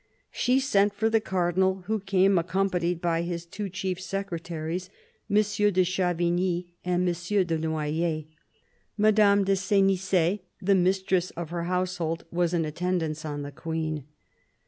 She sent for the Cardinal, who came accom panied by his two chief secretaries, M. de Chavigny and M. de Noyers. Madame de Senece, the mistress of her household, was in attendance on the Queen.